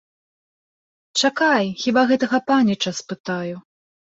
Чакай, хіба гэтага паніча спытаю!